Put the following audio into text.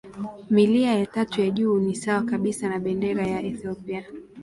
Milia ya tatu ya juu ni sawa kabisa na bendera ya Ethiopia.